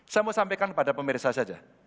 saya mau sampaikan kepada pemirsa saja